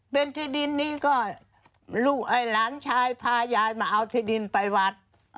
เป็นที่ดินนี้ก็ลูกหลานชายพายายมาเอาที่ดินไปวัด